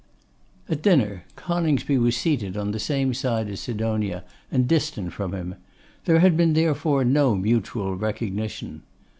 At dinner, Coningsby was seated on the same side as Sidonia, and distant from him. There had been, therefore, no mutual recognition.